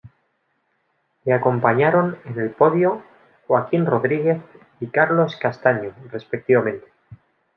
Le acompañaron en el podio Joaquim Rodríguez y Carlos Castaño respectivamente.